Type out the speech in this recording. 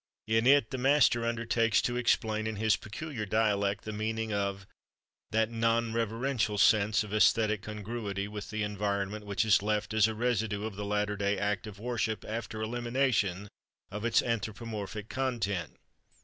In it the master undertakes to explain in his peculiar dialect the meaning of "that non reverent sense of æsthetic congruity with the environment which is left as a residue of the latter day act of worship after elimination of its anthropomorphic content."